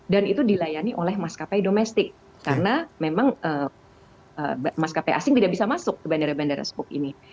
dan itu dilayani oleh maskapai domestik karena memang maskapai asing tidak bisa masuk ke bandara bandara spoke ini